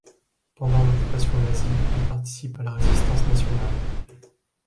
Pendant l'occupation nazie, il participe à la résistance nationale.